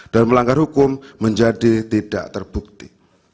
dan melanggar hukum menjadi tidak terbukti